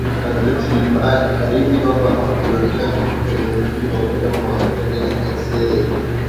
gazeti lina baini kwamba wakiongea kwenye ukumbi wa mkutano wa hotel ya sa